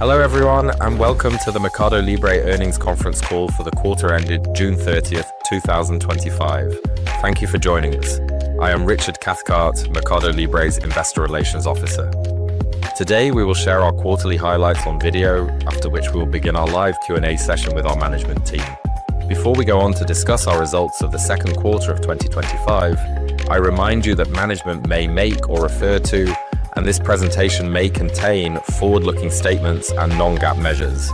Hello everyone and welcome to the MercadoLibre earnings conference call for the quarter ended June 30th, 2025. Thank you for joining us. I am Richard Cathcart, MercadoLibre's Investor Relations Officer. Today, we will share our quarterly highlights on video, after which we will begin our live Q&A session with our management team. Before we go on to discuss our results for the second quarter of 2025, I remind you that management may make or refer to, and this presentation may contain, forward-looking statements and non-GAAP measures.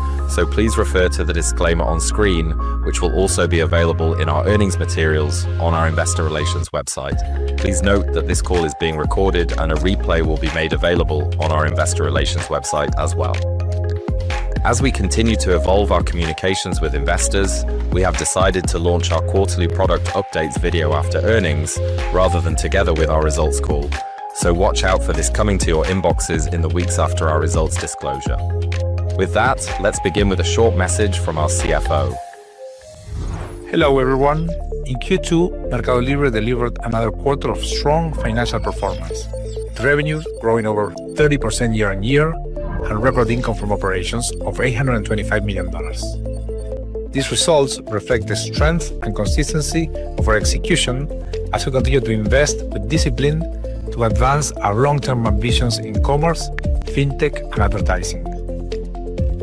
Please refer to the disclaimer on screen, which will also be available in our earnings materials on our investor relations website. Please note that this call is being recorded and a replay will be made available on our investor relations website as well. As we continue to evolve our communications with investors, we have decided to launch our quarterly product updates video after earnings, rather than together with our results call. Watch out for this coming to your inboxes in the weeks after our results disclosure. With that, let's begin with a short message from our CFO. Hello everyone. In Q2, MercadoLibre delivered another quarter of strong financial performance, with revenue growing over 30% year on year and record income from operations of $825 million. These results reflect the strength and consistency of our execution as we continue to invest with discipline to advance our long-term ambitions in commerce, fintech, and advertising.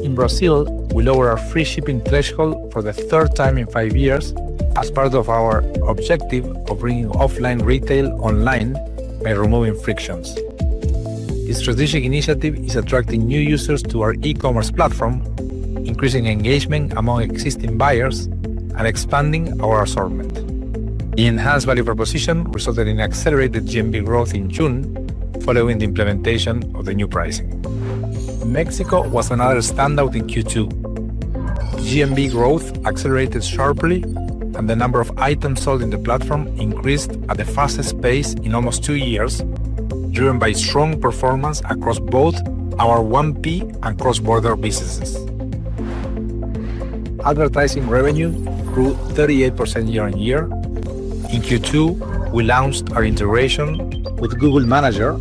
In Brazil, we lowered our free shipping threshold for the third time in five years as part of our objective of bringing offline retail online by removing frictions. This strategic initiative is attracting new users to our e-commerce platform, increasing engagement among existing buyers, and expanding our assortment. The enhanced value proposition resulted in accelerated GMV growth in June following the implementation of the new pricing. Mexico was another standout in Q2. GMV growth accelerated sharply, and the number of items sold in the platform increased at the fastest pace in almost two years, driven by strong performance across both our 1P and cross-border businesses. Advertising revenue grew 38% year on year. In Q2, we launched our integration with Google Manager,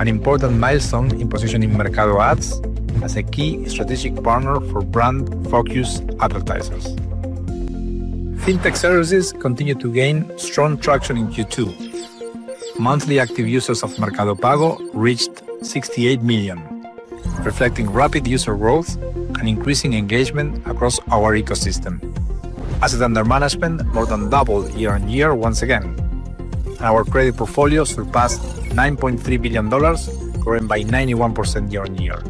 an important milestone in positioning Mercado Ads as a key strategic partner for brand-focused advertisers. Fintech services continued to gain strong traction in Q2. Monthly active users of Mercado Pago reached 68 million, reflecting rapid user growth and increasing engagement across our ecosystem. Assets under management more than doubled year on year once again, and our credit portfolio surpassed $9.3 billion, growing by 91% year on year.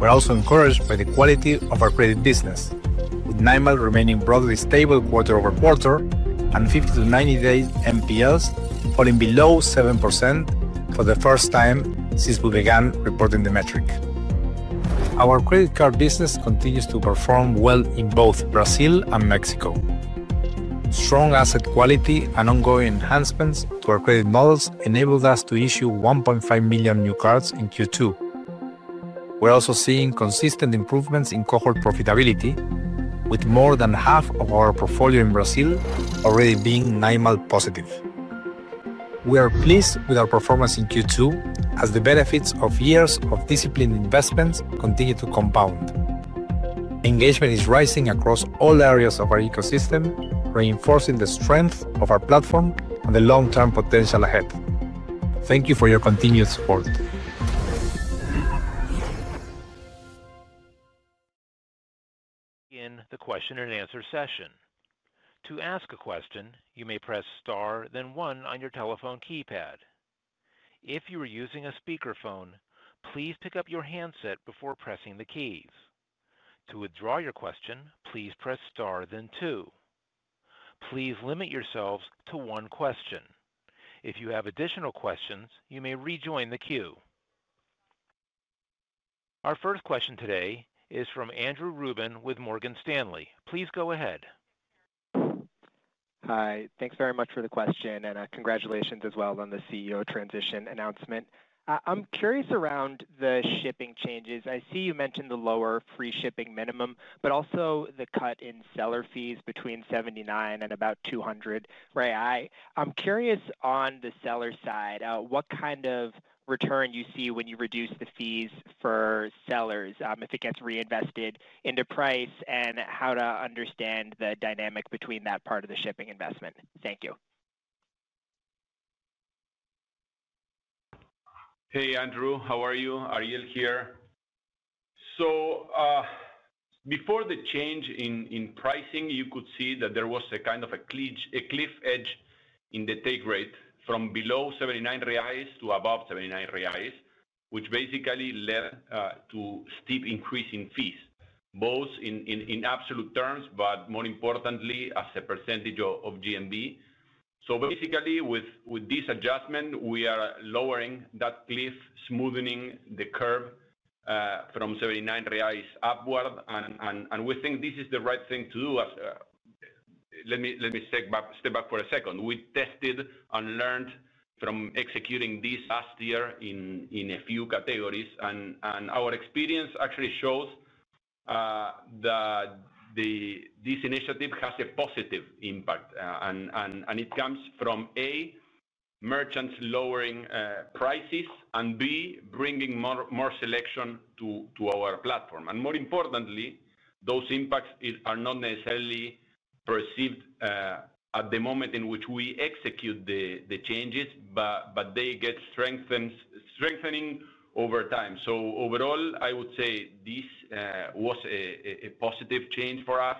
We're also encouraged by the quality of our credit business, with NIM remaining broadly stable quarter-over- quarter and 50-90 days NPLs falling below 7% for the first time since we began reporting the metric. Our credit card business continues to perform well in both Brazil and Mexico. Strong asset quality and ongoing enhancements to our credit models enabled us to issue 1.5 million new cards in Q2. We're also seeing consistent improvements in cohort profitability, with more than half of our portfolio in Brazil already being NIM positive. We are pleased with our performance in Q2, as the benefits of years of disciplined investments continue to compound. Engagement is rising across all areas of our ecosystem, reinforcing the strength of our platform and the long-term potential ahead. Thank you for your continued support. Begin the question and answer session. To ask a question, you may press * then one on your telephone keypad. If you are using a speakerphone, please pick up your handset before pressing the keys. To withdraw your question, please press * then two. Please limit yourselves to one question. If you have additional questions, you may rejoin the queue. Our first question today is from Andrew Ruben with Morgan Stanley. Please go ahead. Hi, thanks very much for the question and congratulations as well on the CEO transition announcement. I'm curious around the shipping changes. I see you mentioned the lower free shipping minimum, but also the cut in seller fees between $79 and about $200. I'm curious on the seller side, what kind of return you see when you reduce the fees for sellers if it gets reinvested into price and how to understand the dynamic between that part of the shipping investment. Thank you. Hey Andrew, how are you? Ariel here. Before the change in pricing, you could see that there was a kind of a cliff edge in the take rate from below R$79 to above R$79, which basically led to a steep increase in fees, both in absolute terms, but more importantly, as a percentage of GMV. With this adjustment, we are lowering that cliff, smoothing the curve from R$79 upward, and we think this is the right thing to do. Let me step back for a second. We tested and learned from executing this last year in a few categories, and our experience actually shows that this initiative has a positive impact. It comes from, A, merchants lowering prices, and B, bringing more selection to our platform. More importantly, those impacts are not necessarily perceived at the moment in which we execute the changes, but they get strengthened over time. Overall, I would say this was a positive change for us.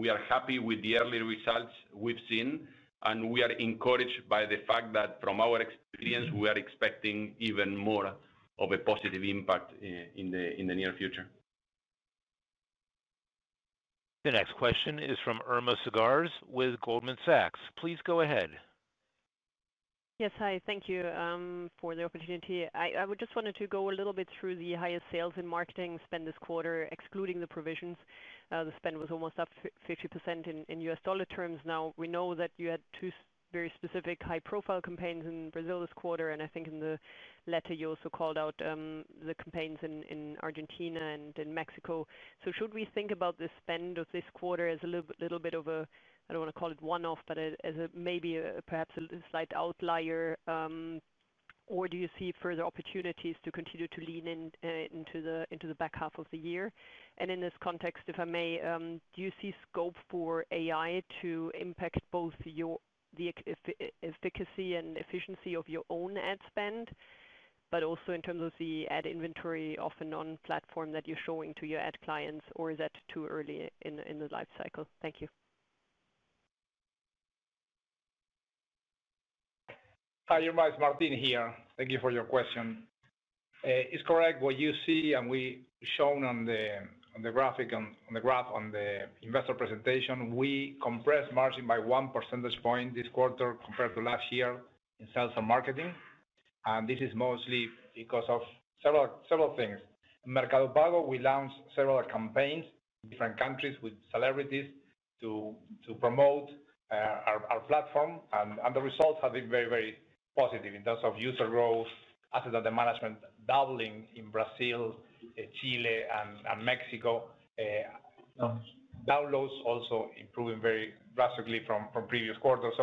We are happy with the early results we've seen, and we are encouraged by the fact that from our experience, we are expecting even more of a positive impact in the near future. The next question is from Irma Sgarz with Goldman Sachs. Please go ahead. Yes, hi, thank you for the opportunity. I just wanted to go a little bit through the highest sales in marketing spend this quarter, excluding the provisions. The spend was almost up 50% in U.S. dollar terms. Now, we know that you had two very specific high-profile campaigns in Brazil this quarter, and I think in the letter, you also called out the campaigns in Argentina and in Mexico. Should we think about the spend of this quarter as a little bit of a, I don't want to call it one-off, but as maybe perhaps a slight outlier, or do you see further opportunities to continue to lean into the back half of the year? In this context, if I may, do you see scope for AI to impact both the efficacy and efficiency of your own ad spend, but also in terms of the ad inventory off and on platform that you're showing to your ad clients, or is that too early in the lifecycle? Thank you. Hi, you're much. Martín here. Thank you for your question. It's correct what you see, and we've shown on the graph on the investor presentation. We compressed margin by one percentage point this quarter compared to last year in sales and marketing, and this is mostly because of several things. Mercado Pago, we launched several campaigns in different countries with celebrities to promote our platform, and the results have been very, very positive in terms of user growth, assets under management doubling in Brazil, Chile, and Mexico. Downloads also improving very drastically from previous quarters.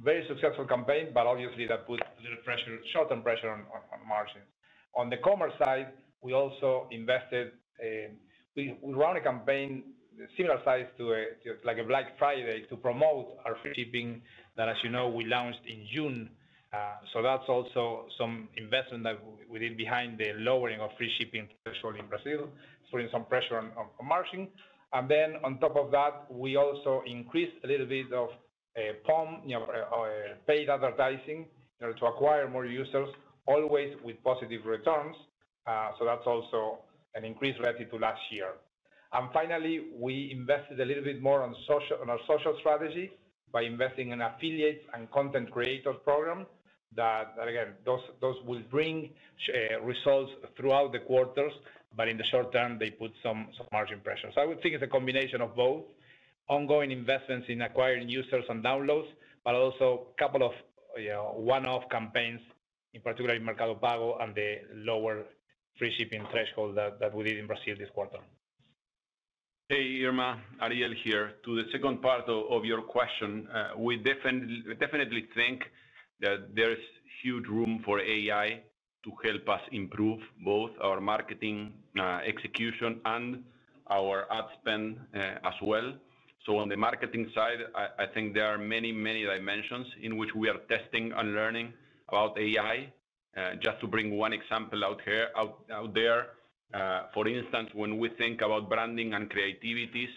Very successful campaign, but obviously that puts a little pressure, short-term pressure on margins. On the commerce side, we also invested, we ran a campaign similar size to like a Black Friday to promote our free shipping that, as you know, we launched in June. That's also some investment that we did behind the lowering of free shipping threshold in Brazil, putting some pressure on margin. On top of that, we also increased a little bit of paid advertising in order to acquire more users, always with positive returns. That's also an increase relative to last year. Finally, we invested a little bit more on our social strategy by investing in affiliates and content creator programs that, again, those will bring results throughout the quarters, but in the short term, they put some margin pressure. I would think it's a combination of both ongoing investments in acquiring users and downloads, but also a couple of one-off campaigns, in particular in Mercado Pago and the lower free shipping threshold that we did in Brazil this quarter. Hey Irma, Ariel here. To the second part of your question, we definitely think that there's huge room for AI to help us improve both our marketing execution and our ad spend as well. On the marketing side, I think there are many, many dimensions in which we are testing and learning about AI. Just to bring one example out there, for instance, when we think about branding and creativities,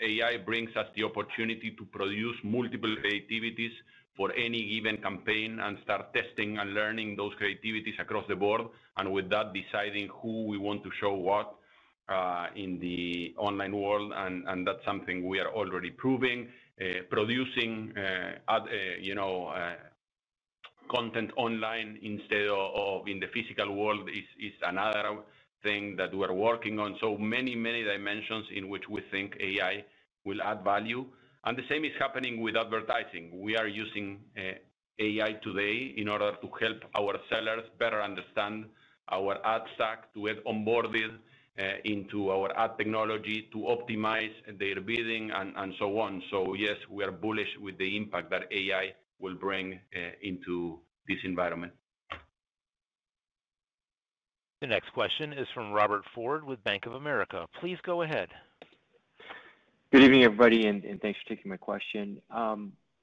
AI brings us the opportunity to produce multiple creativities for any given campaign and start testing and learning those creativities across the board, and with that, deciding who we want to show what in the online world. That's something we are already proving. Producing content online instead of in the physical world is another thing that we are working on. Many, many dimensions in which we think AI will add value. The same is happening with advertising. We are using AI today in order to help our sellers better understand our ad stack, to get onboarded into our ad technology, to optimize their bidding, and so on. Yes, we are bullish with the impact that AI will bring into this environment. The next question is from Robert Ford with Bank of America. Please go ahead. Good evening, everybody, and thanks for taking my question. I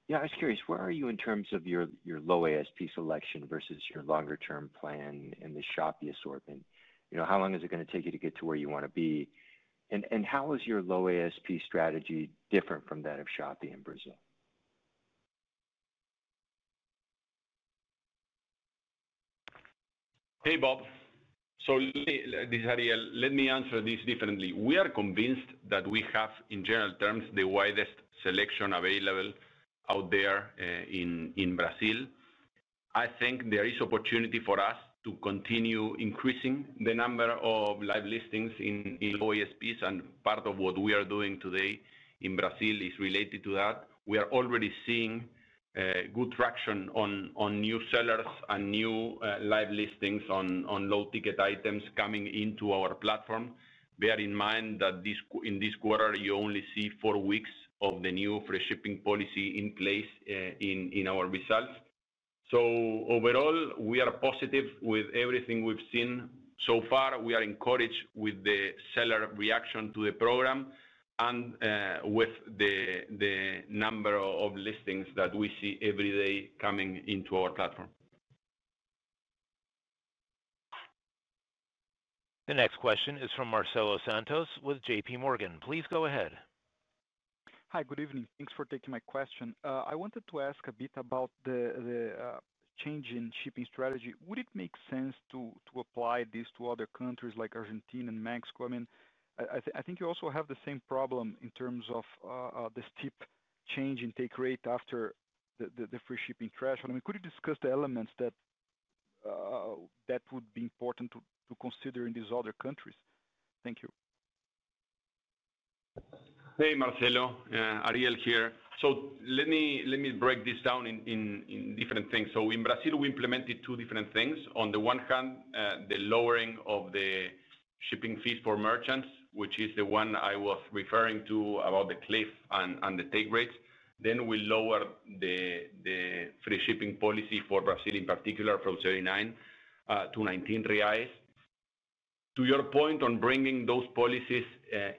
was curious, where are you in terms of your low ASP selection versus your longer-term plan and the Shopee assortment? How long is it going to take you to get to where you want to be? How is your low ASP strategy different from that of Shopee in Brazil? Hey Bob, this is Ariel Szarfsztejn. Let me answer this differently. We are convinced that we have, in general terms, the widest selection available out there in Brazil. I think there is opportunity for us to continue increasing the number of live listings in low ASPs, and part of what we are doing today in Brazil is related to that. We are already seeing good traction on new sellers and new live listings on low-ticket items coming into our platform. Bear in mind that in this quarter, you only see four weeks of the new free shipping policy in place in our results. Overall, we are positive with everything we've seen so far. We are encouraged with the seller reaction to the program and with the number of listings that we see every day coming into our platform. The next question is from Marcelo Santos with JPMorgan. Please go ahead. Hi, good evening. Thanks for taking my question. I wanted to ask a bit about the change in shipping strategy. Would it make sense to apply this to other countries like Argentina and Mexico? I think you also have the same problem in terms of the steep change in take rate after the free shipping threshold. Could you discuss the elements that would be important to consider in these other countries? Thank you. Hey Marcelo, Ariel here. Let me break this down in different things. In Brazil, we implemented two different things. On the one hand, the lowering of the shipping fees for merchants, which is the one I was referring to about the cliff and the take rates. We lowered the free shipping policy for Brazil, in particular, from 79 to 19 reais. To your point on bringing those policies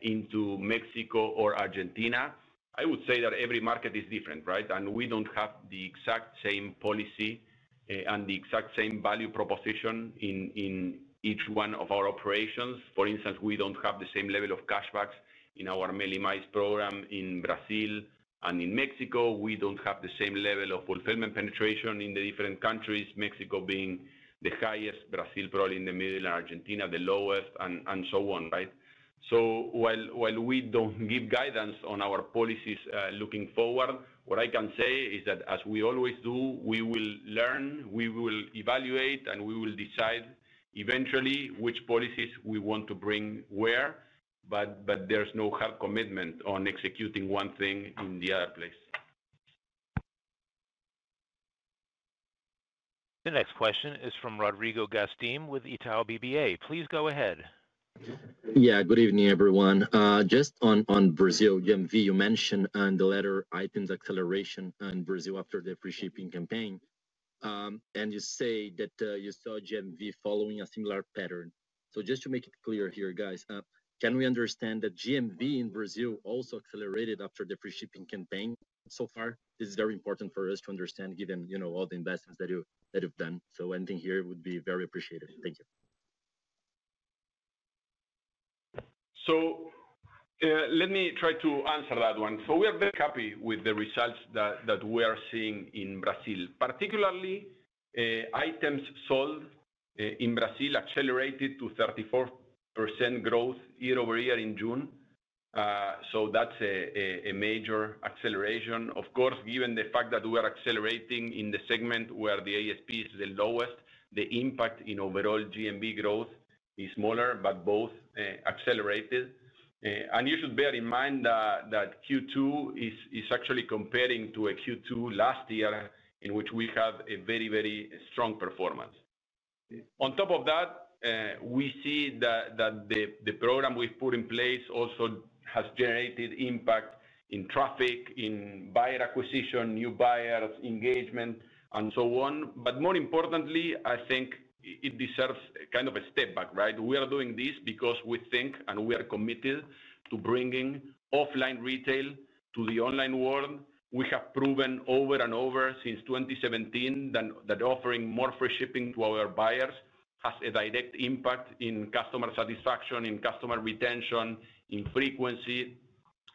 into Mexico or Argentina, I would say that every market is different, right? We don't have the exact same policy and the exact same value proposition in each one of our operations. For instance, we don't have the same level of cashbacks in our MELI+ program in Brazil and in Mexico. We don't have the same level of fulfillment penetration in the different countries, Mexico being the highest, Brazil probably in the middle, and Argentina the lowest, and so on, right? While we don't give guidance on our policies looking forward, what I can say is that as we always do, we will learn, we will evaluate, and we will decide eventually which policies we want to bring where, but there's no hard commitment on executing one thing in the other place. The next question is from Rodrigo Gastim with Itaú BBA. Please go ahead. Yeah, good evening, everyone. Just on Brazil, GMV, you mentioned in the letter items acceleration in Brazil after the free shipping campaign, and you say that you saw GMV following a similar pattern. Just to make it clear here, can we understand that GMV in Brazil also accelerated after the free shipping campaign? This is very important for us to understand, given all the investments that you've done. Anything here would be very appreciated. Thank you. Let me try to answer that one. We are very happy with the results that we are seeing in Brazil. Particularly, items sold in Brazil accelerated to 34% growth year-over-year in June. That's a major acceleration. Of course, given the fact that we are accelerating in the segment where the ASP is the lowest, the impact in overall GMV growth is smaller, but both accelerated. You should bear in mind that Q2 is actually comparing to a Q2 last year in which we have a very, very strong performance. On top of that, we see that the program we've put in place also has generated impact in traffic, in buyer acquisition, new buyers, engagement, and so on. More importantly, I think it deserves kind of a step back, right? We are doing this because we think and we are committed to bringing offline retail to the online world. We have proven over and over since 2017 that offering more free shipping to our buyers has a direct impact in customer satisfaction, in customer retention, in frequency,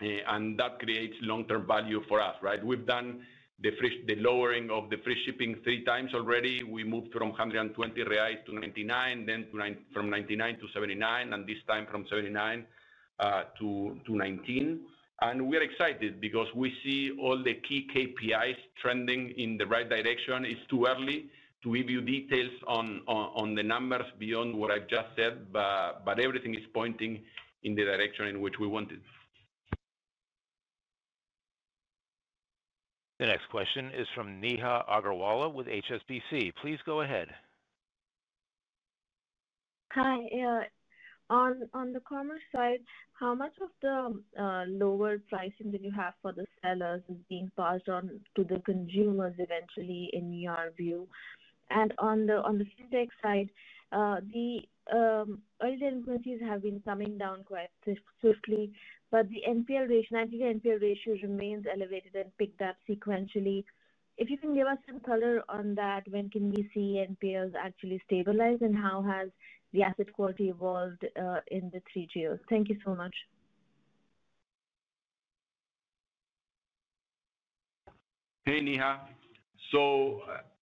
and that creates long-term value for us, right? We've done the lowering of the free shipping three times already. We moved from R$120-R$99, then from R$99 to R$79, and this time from R$79-R$19. We are excited because we see all the key KPIs trending in the right direction. It's too early to give you details on the numbers beyond what I've just said, but everything is pointing in the direction in which we wanted. The next question is from Neha Agarwala with HSBC. Please go ahead. Hi, yeah. On the commerce side, how much of the lower pricing that you have for the sellers is being passed on to the consumers eventually in your view? On the fintech side, the earlier inquiries have been coming down quite swiftly, but the NPL ratio remains elevated and picked up sequentially. If you can give us some color on that, when can we see NPLs actually stabilize and how has the asset quality evolved in the three tiers? Thank you so much. Hey Neha.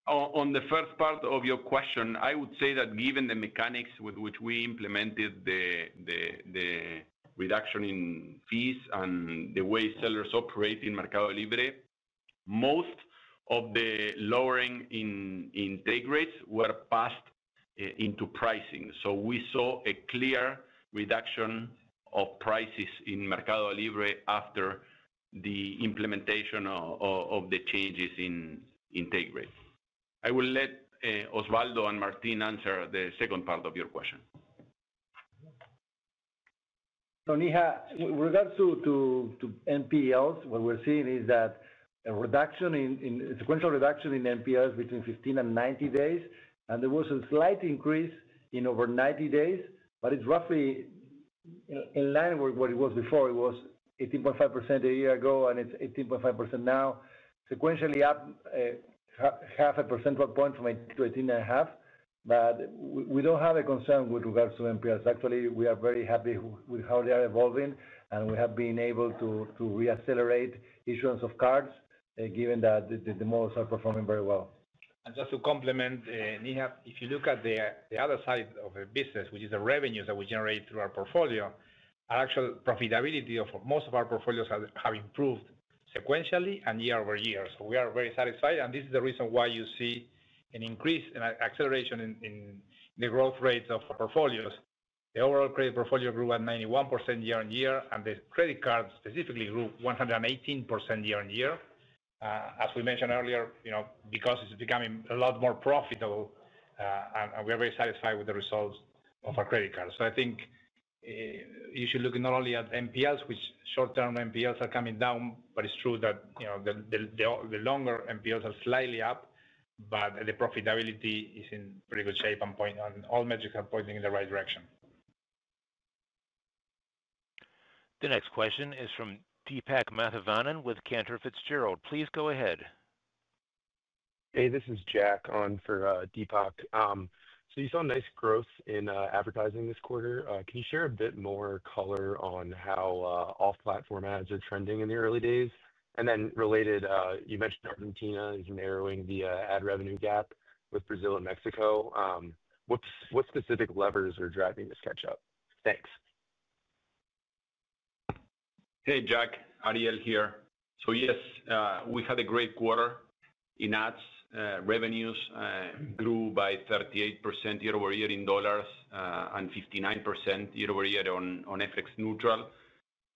On the first part of your question, I would say that given the mechanics with which we implemented the reduction in fees and the way sellers operate in MercadoLibre, most of the lowering in take rates were passed into pricing. We saw a clear reduction of prices in MercadoLibre after the implementation of the changes in take rate. I will let Osvaldo and Martín answer the second part of your question. Neha, with regards to NPLs, what we're seeing is a reduction in sequential reduction in NPLs between 15 and 90 days, and there was a slight increase in over 90 days, but it's roughly in line with what it was before. It was 18.5% a year ago, and it's 18.5% now. Sequentially up half a percentage point from 18%-18.5%, but we don't have a concern with regards to NPLs. Actually, we are very happy with how they are evolving, and we have been able to reaccelerate issuance of cards given that the models are performing very well. Just to complement, Neha, if you look at the other side of the business, which is the revenues that we generate through our portfolio, our actual profitability of most of our portfolios has improved sequentially and year-over-year. We are very satisfied, and this is the reason why you see an increase and acceleration in the growth rates of portfolios. The overall credit portfolio grew at 91% year on year, and the credit cards specifically grew 118% year on year. As we mentioned earlier, you know, because it's becoming a lot more profitable, and we are very satisfied with the results of our credit cards. I think you should look not only at NPLs, which short-term NPLs are coming down, but it's true that, you know, the longer NPLs are slightly up, but the profitability is in pretty good shape, and all metrics are pointing in the right direction. The next question is from Deepak Mathivanan with Cantor Fitzgerald. Please go ahead. Hey, this is Jack on for Deepak. You saw nice growth in advertising this quarter. Can you share a bit more color on how off-platform ads are trending in the early days? Related, you mentioned Argentina is narrowing the ad revenue gap with Brazil and Mexico. What specific levers are driving this catch-up? Thanks. Hey Jack, Ariel here. Yes, we had a great quarter in ads. Revenues grew by 38% year-over-year in dollars and 59% year-over-year on FX neutral.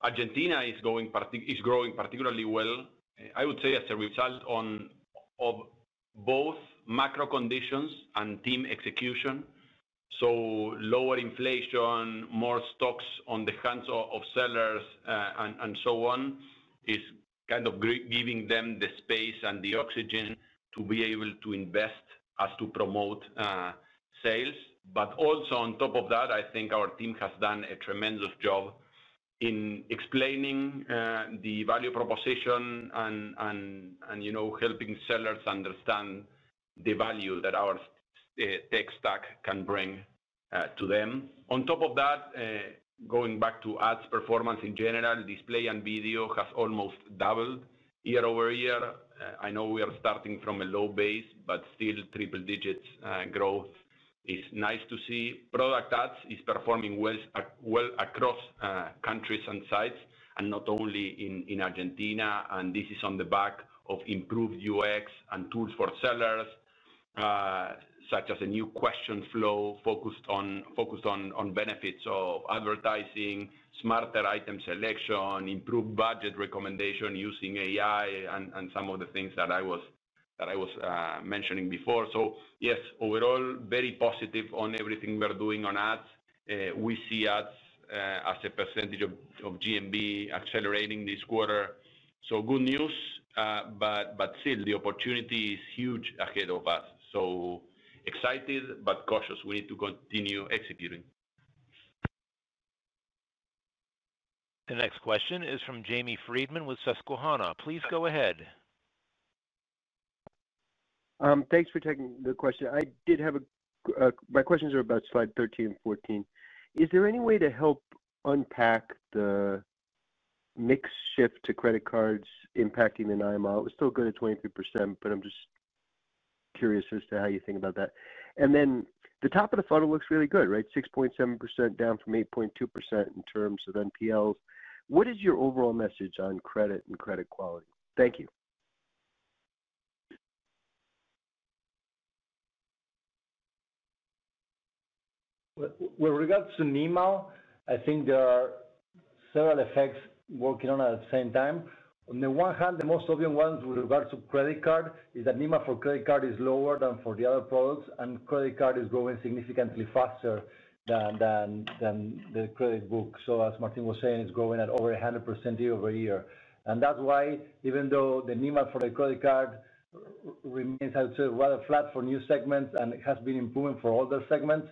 Argentina is growing particularly well, I would say, as a result of both macro conditions and team execution. Lower inflation, more stocks on the hands of sellers, and so on, is kind of giving them the space and the oxygen to be able to invest as to promote sales. Also, I think our team has done a tremendous job in explaining the value proposition and, you know, helping sellers understand the value that our tech stack can bring to them. Going back to ads performance in general, display and video has almost doubled year-over-year. I know we are starting from a low base, but still triple digits growth is nice to see. Product ads is performing well across countries and sites, and not only in Argentina. This is on the back of improved UX and tools for sellers, such as a new question flow focused on benefits of advertising, smarter item selection, improved budget recommendation using AI, and some of the things that I was mentioning before. Yes, overall, very positive on everything we're doing on ads. We see ads as a percentage of GMV accelerating this quarter. Good news, but still, the opportunity is huge ahead of us. Excited, but cautious. We need to continue executing. The next question is from Jamie Friedman with Susquehanna. Please go ahead. Thanks for taking the question. My questions are about slide 13 and 14. Is there any way to help unpack the mix shift to credit cards impacting the NIM positive? It was still good at 23%, but I'm just curious as to how you think about that. The top of the funnel looks really good, right? 6.7% down from 8.2% in terms of NPLs. What is your overall message on credit and credit quality? Thank you. With regards to NIM, I think there are several effects working on at the same time. On the one hand, the most obvious ones with regards to credit card is that NIM for credit card is lower than for the other products, and credit card is growing significantly faster than the credit book. As Martín was saying, it's growing at over 100% year-over-year. That's why, even though the NIM for the credit card remains, I would say, rather flat for new segments and has been improving for older segments,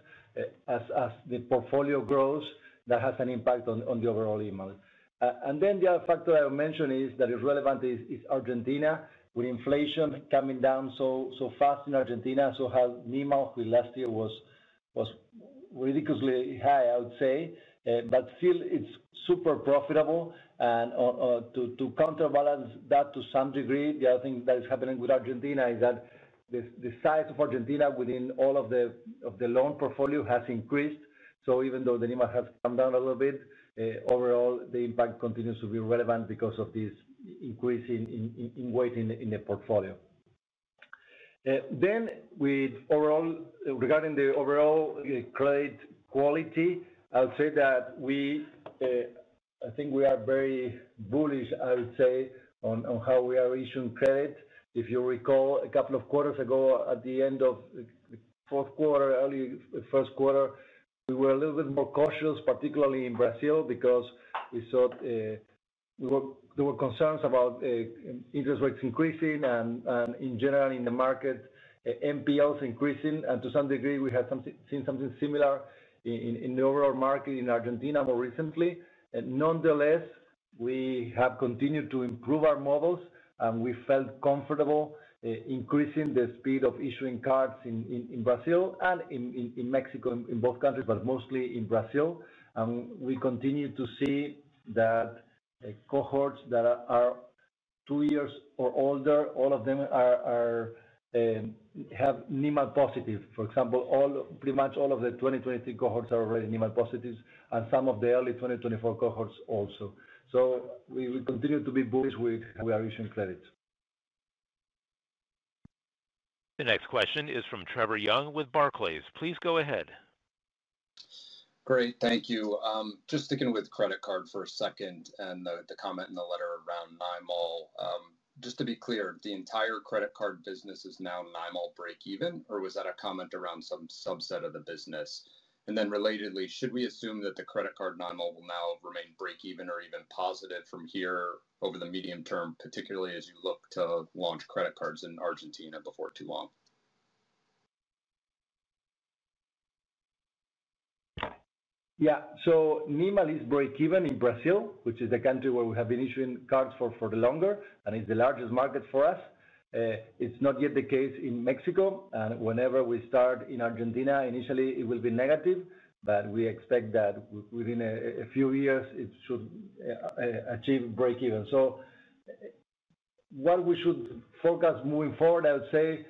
as the portfolio grows, that has an impact on the overall NIM. The other factor I mentioned that is relevant is Argentina with inflation coming down so fast in Argentina. NIM last year was ridiculously high, I would say, but still it's super profitable. To counterbalance that to some degree, the other thing that is happening with Argentina is that the size of Argentina within all of the loan portfolio has increased. Even though the NIM has come down a little bit, overall the impact continues to be relevant because of this increase in weight in the portfolio. Regarding the overall credit quality, I'll say that we, I think we are very bullish, I would say, on how we are issuing credit. If you recall a couple of quarters ago, at the end of the fourth quarter, early first quarter, we were a little bit more cautious, particularly in Brazil, because we saw there were concerns about interest rates increasing and in general in the market, NPLs increasing. To some degree, we had seen something similar in the overall market in Argentina more recently. Nonetheless, we have continued to improve our models, and we felt comfortable increasing the speed of issuing cards in Brazil and in Mexico, in both countries, but mostly in Brazil. We continue to see that cohorts that are two years or older, all of them have NIM positive. For example, pretty much all of the 2023 cohorts are already NIM positive, and some of the early 2024 cohorts also. We continue to be bullish with how we are issuing credits. The next question is from Trevor Young with Barclays. Please go ahead. Great, thank you. Just sticking with credit card for a second and the comment in the letter around NIM, just to be clear, the entire credit card business is now NIM break-even, or was that a comment around some subset of the business? Relatedly, should we assume that the credit card NIM will now remain break-even or even positive from here over the medium term, particularly as you look to launch credit cards in Argentina before too long? Yeah, so NIM positive is break-even in Brazil, which is the country where we have been issuing cards for the longer, and it's the largest market for us. It's not yet the case in Mexico, and whenever we start in Argentina, initially it will be negative, but we expect that within a few years it should achieve break-even. What we should focus on moving forward, I would say,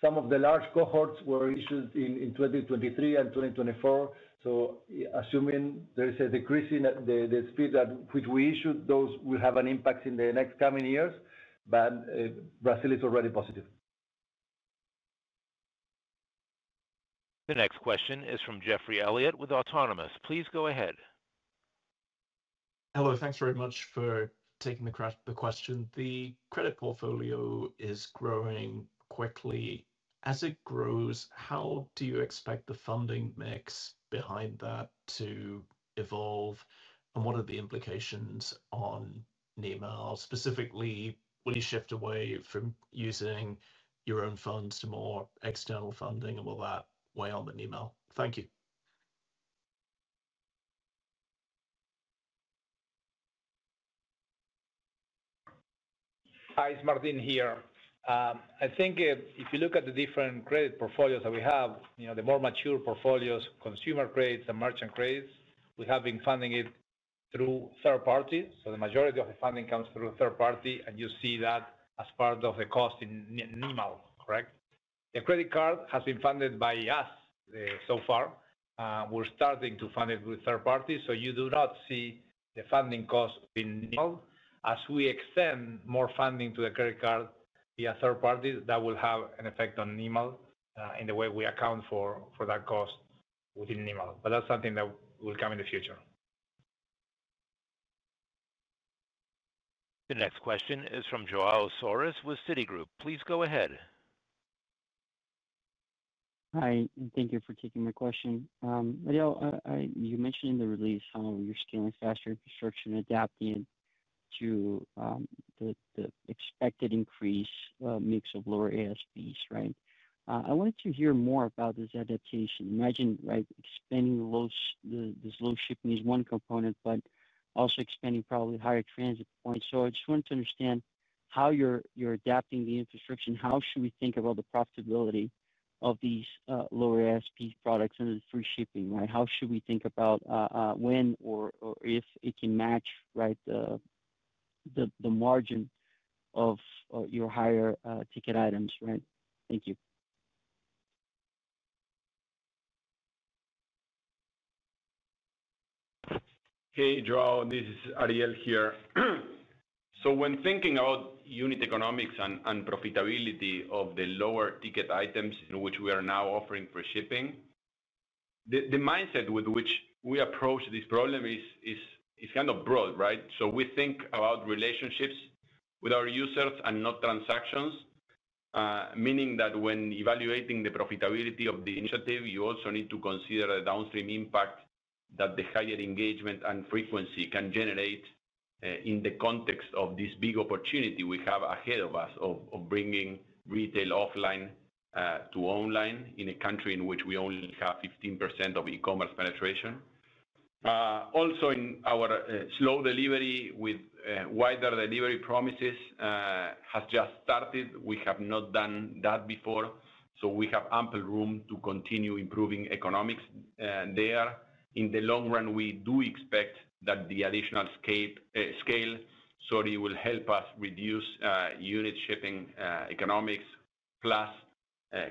some of the large cohorts were issued in 2023 and 2024. Assuming there is a decrease in the speed at which we issued, those will have an impact in the next coming years, but Brazil is already positive. The next question is from Geoffrey Elliott with Autonomous. Please go ahead. Hello, thanks very much for taking the question. The credit portfolio is growing quickly. As it grows, how do you expect the funding mix behind that to evolve, and what are the implications on NIM, specifically when you shift away from using your own funds to more external funding, and will that weigh on the NIM? Thank you. Hi, it's Martín here. I think if you look at the different credit portfolios that we have, you know, the more mature portfolios, consumer credits and merchant credits, we have been funding it through third parties. The majority of the funding comes through third parties, and you see that as part of the cost in NIM, correct? The credit card has been funded by us so far, and we're starting to fund it with third parties, so you do not see the funding cost in NIM. As we extend more funding to the credit card via third parties, that will have an effect on NIM in the way we account for that cost within NIM, but that's something that will come in the future. The next question is from Joao Soares with Citigroup. Please go ahead. Hi, and thank you for taking the question. Ariel, you mentioned in the release how you're scaling faster infrastructure and adapting to the expected increased mix of lower ASPs, right? I wanted to hear more about this adaptation. Expanding the low shipping is one component, but also expanding probably higher transit points. I just wanted to understand how you're adapting the infrastructure and how should we think about the profitability of these lower ASP products under the free shipping, right? How should we think about when or if it can match the margin of your higher ticket items, right? Thank you. Hey Joao, this is Ariel here. When thinking about unit economics and profitability of the lower ticket items in which we are now offering free shipping, the mindset with which we approach this problem is kind of broad, right? We think about relationships with our users and not transactions, meaning that when evaluating the profitability of the initiative, you also need to consider the downstream impact that the higher engagement and frequency can generate in the context of this big opportunity we have ahead of us of bringing retail offline to online in a country in which we only have 15% of e-commerce penetration. Also, our slow delivery with wider delivery promises has just started. We have not done that before, so we have ample room to continue improving economics there. In the long run, we do expect that the additional scale will help us reduce unit shipping economics plus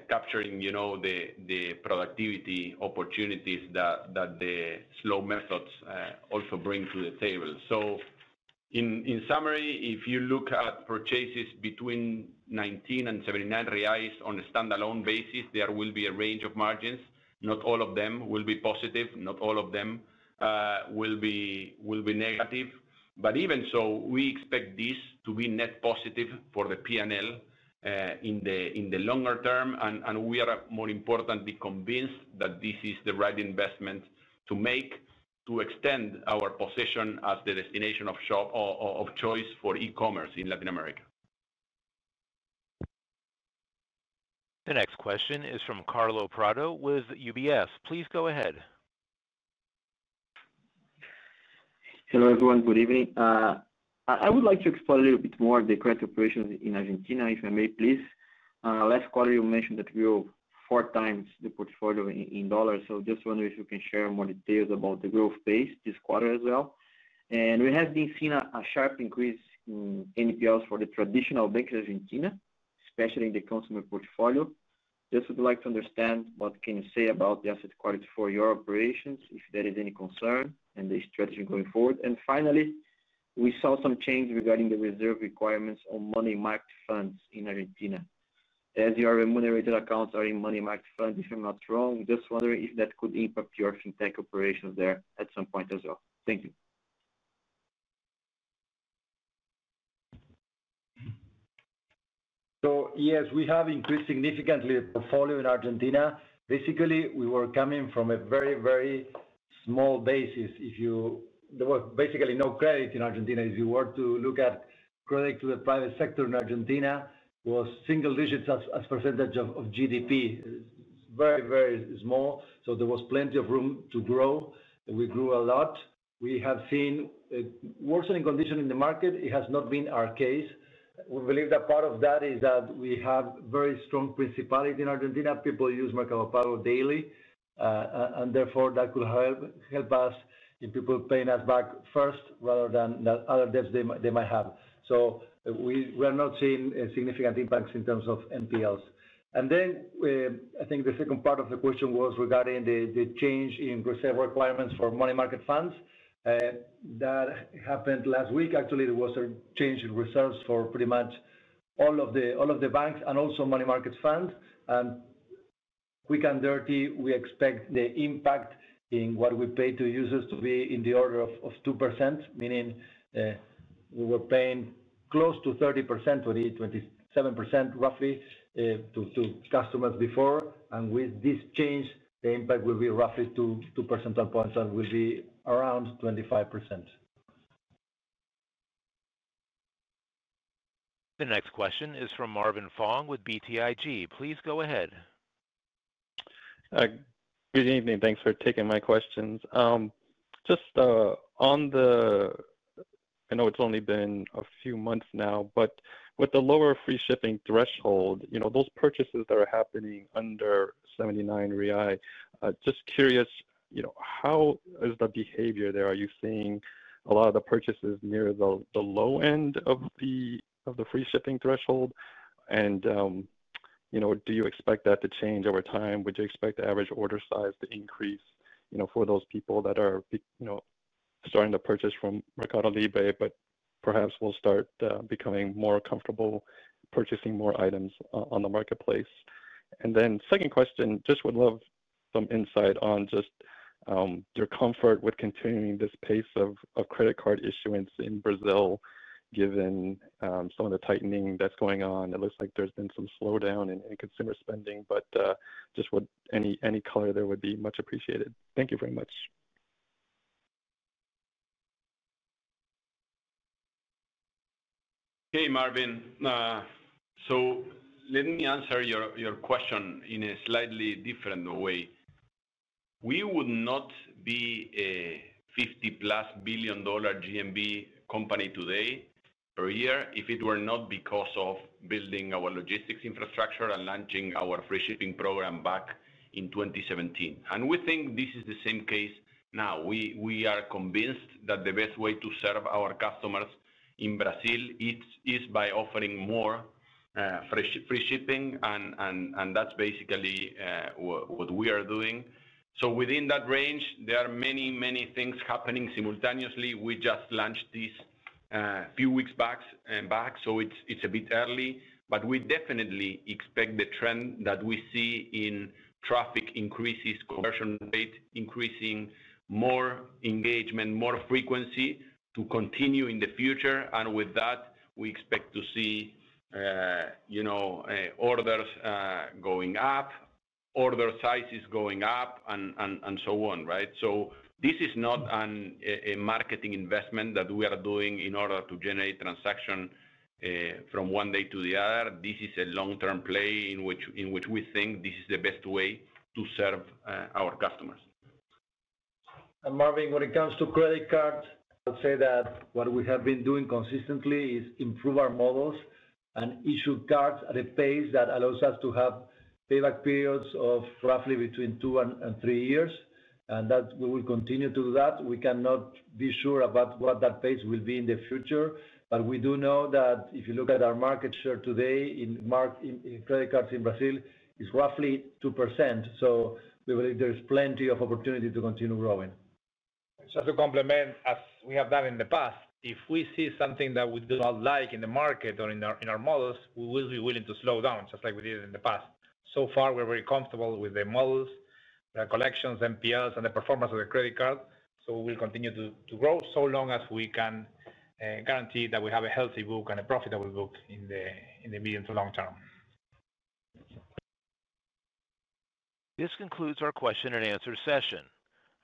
capturing, you know, the productivity opportunities that the slow methods also bring to the table. In summary, if you look at purchases between 19 and 79 reais on a standalone basis, there will be a range of margins. Not all of them will be positive, not all of them will be negative, but even so, we expect this to be net positive for the P&L in the longer term, and we are more importantly convinced that this is the right investment to make to extend our position as the destination of choice for e-commerce in Latin America. The next question is from Carlo Prado with UBS. Please go ahead. Hello, everyone. Good evening. I would like to explore a little bit more of the credit operations in Argentina, if I may, please. Last quarter, you mentioned that we grew four times the portfolio in dollars, so I just wonder if you can share more details about the growth pace this quarter as well. We have been seeing a sharp increase in NPLs for the traditional bank in Argentina, especially in the consumer portfolio. I just would like to understand what can you say about the asset quality for your operations, if there is any concern, and the strategy going forward. Finally, we saw some change regarding the reserve requirements on money market funds in Argentina. As your remunerated accounts are in money market funds, if I'm not wrong, just wondering if that could impact your fintech operations there at some point as well. Thank you. Yes, we have increased significantly the portfolio in Argentina. Basically, we were coming from a very, very small basis. There was basically no credit in Argentina. If you were to look at credit to the private sector in Argentina, it was single digits as a percentage of GDP. It's very, very small, so there was plenty of room to grow. We grew a lot. We have seen a worsening condition in the market. It has not been our case. We believe that part of that is that we have very strong principalities in Argentina. People use Mercado Pago daily, and therefore that could help us in people paying us back first rather than other debts they might have. We are not seeing significant impacts in terms of NPLs. I think the second part of the question was regarding the change in reserve requirements for money market funds. That happened last week. Actually, there was a change in reserves for pretty much all of the banks and also money market funds. Quick and dirty, we expect the impact in what we pay to users to be in the order of 2%, meaning we were paying close to 30%, 27% roughly to customers before. With this change, the impact will be roughly 2% points, and we'll be around 25%. The next question is from Marvin Fong with BTIG. Please go ahead. Good evening. Thanks for taking my questions. Just on the, I know it's only been a few months now, but with the lower free shipping threshold, you know, those purchases that are happening under R$79, just curious, you know, how is the behavior there? Are you seeing a lot of the purchases near the low end of the free shipping threshold? Do you expect that to change over time? Would you expect the average order size to increase, you know, for those people that are, you know, starting to purchase from MercadoLibre, but perhaps will start becoming more comfortable purchasing more items on the marketplace? Second question, just would love some insight on just your comfort with continuing this pace of credit card issuance in Brazil, given some of the tightening that's going on. It looks like there's been some slowdown in consumer spending, but just would any color there would be much appreciated. Thank you very much. Hey Marvin. Let me answer your question in a slightly different way. We would not be a $50+ billion GMV company today per year if it were not because of building our logistics infrastructure and launching our free shipping program back in 2017. We think this is the same case now. We are convinced that the best way to serve our customers in Brazil is by offering more free shipping, and that's basically what we are doing. Within that range, there are many, many things happening simultaneously. We just launched this a few weeks back, so it's a bit early, but we definitely expect the trend that we see in traffic increases, conversion rate increasing, more engagement, more frequency to continue in the future. With that, we expect to see orders going up, order sizes going up, and so on, right? This is not a marketing investment that we are doing in order to generate transaction from one day to the other. This is a long-term play in which we think this is the best way to serve our customers. Marvin, when it comes to credit cards, I would say that what we have been doing consistently is improve our models and issue cards at a pace that allows us to have payback periods of roughly between two and three years, and that we will continue to do that. We cannot be sure about what that pace will be in the future, but we do know that if you look at our market share today in credit cards in Brazil, it's roughly 2%. We believe there's plenty of opportunity to continue growing. Just to complement, as we have done in the past, if we see something that we do not like in the market or in our models, we will be willing to slow down, just like we did in the past. So far, we're very comfortable with the models, the collections, NPLs, and the performance of the credit card. We will continue to grow so long as we can guarantee that we have a healthy book and a profitable book in the medium to long term. This concludes our question and answer session.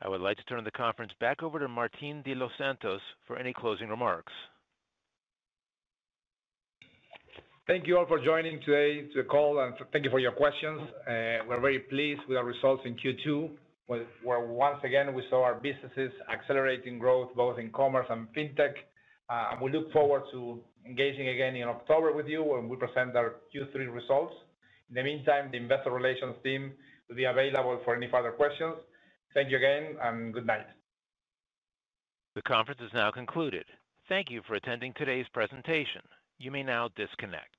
I would like to turn the conference back over to Martín de los Santos for any closing remarks. Thank you all for joining today's call, and thank you for your questions. We're very pleased with our results in Q2, where once again we saw our businesses accelerating growth both in commerce and fintech, and we look forward to engaging again in October with you when we present our Q3 results. In the meantime, the Investor Relations team will be available for any further questions. Thank you again, and good night. The conference is now concluded. Thank you for attending today's presentation. You may now disconnect.